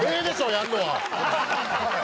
やるのは！